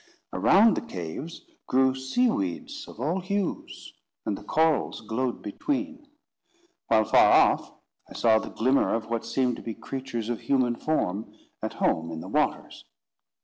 Around the caves grew sea weeds of all hues, and the corals glowed between; while far off, I saw the glimmer of what seemed to be creatures of human form at home in the waters.